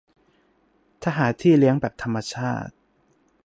ถ้าหาที่เลี้ยงแบบธรรมชาติ